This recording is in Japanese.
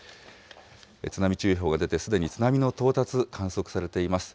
津波注意報が出て、すでに津波の到達、観測されています。